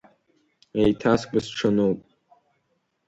Еиҭа сгәысҽануп.